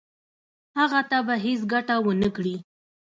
هغه ته به هیڅ ګټه ونه کړي.